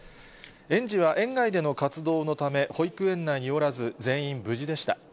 園児は園外での活動のため、保育園内におらず、全員無事でした。